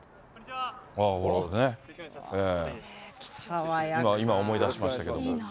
ほらね、今思い出しましたけれども。